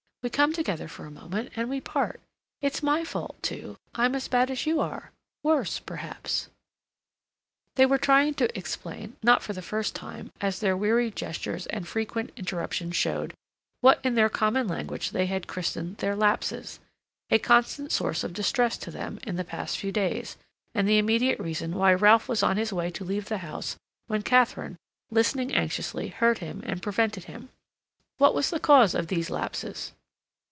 We come together for a moment and we part. It's my fault, too. I'm as bad as you are—worse, perhaps." They were trying to explain, not for the first time, as their weary gestures and frequent interruptions showed, what in their common language they had christened their "lapses"; a constant source of distress to them, in the past few days, and the immediate reason why Ralph was on his way to leave the house when Katharine, listening anxiously, heard him and prevented him. What was the cause of these lapses?